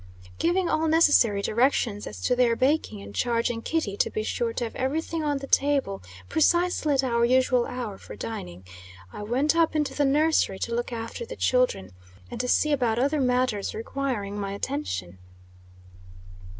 Giving all necessary directions as to their baking, and charging Kitty to be sure to have every thing on the table precisely at our usual hour for dining, I went up into the nursery to look after the children, and to see about other matters requiring my attention.